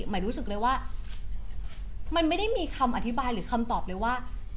หมายรู้สึกเลยว่ามันไม่ได้มีคำอธิบายหรือคำตอบเลยว่า